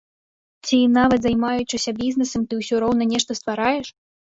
Ці нават займаючыся бізнэсам, ты ўсё роўна нешта ствараеш?